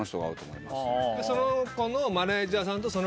その子の。